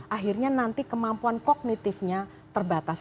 akhirnya nanti kemampuan kognitifnya terbatas